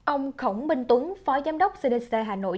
ông khổng minh tuấn phó giám đốc cdc hà nội